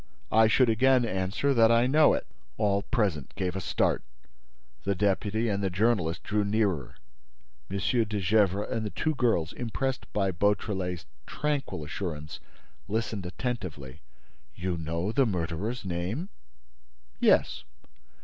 "I should again answer that I know it." All present gave a start. The deputy and the journalist drew nearer. M. de Gesvres and the two girls, impressed by Beautrelet's tranquil assurance, listened attentively. "You know the murderer's name?" "Yes."